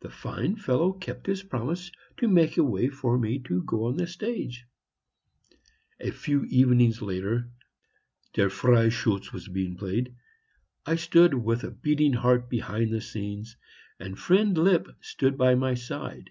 The fine fellow kept his promise to make a way for me to go on the stage. A few evenings later ("Der Freischutz" was being played), I stood with a beating heart behind the scenes, and friend Lipp stood by my side.